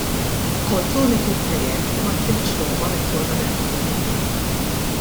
Kont l-uniku plejer li ma tliftx logħba mit-turnament kollu.